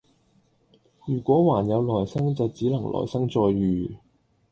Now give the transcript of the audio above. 如果還有來生就只能來生再遇